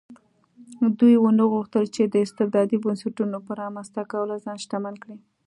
دوی ونه غوښتل چې د استبدادي بنسټونو په رامنځته کولو ځان شتمن کړي.